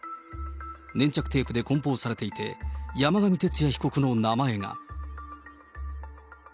粘着テープで梱包されていて、山上徹也被告の名前が。